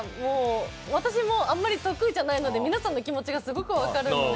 私もあまり得意じゃないので皆さんの気持ちがすごく分かるので。